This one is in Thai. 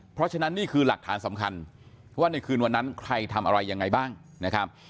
เพราะฉะนั้นนี่คือหลักฐานสำคัญว่าในคืนวันนั้นใครทำอะไรยังไงบ้างนะครับ